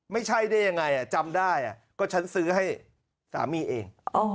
ไม่ใช่ได้ยังไงจำได้ก็ฉันซื้อให้สามีเอง